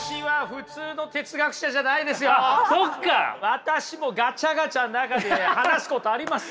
私もガチャガチャの中で話すことありますよ。